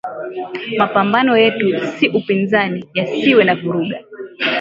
Mapambano yetu ni upinzani yasiwe na vuruga